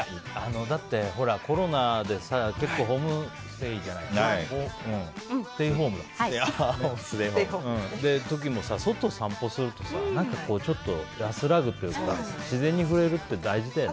だって、コロナで結構ホームステイじゃないけどステイホームの時もさ外を散歩すると何かちょっと安らぐというか自然に触れるって大事だよね。